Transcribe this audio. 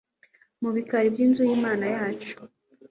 mu bikari by’Inzu y’Imana yacu